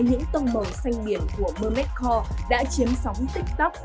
những tông màu xanh biển của mermez core đã chiếm sóng tiktok